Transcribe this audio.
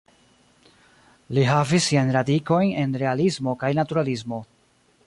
Li havis siajn radikojn en Realismo kaj Naturalismo.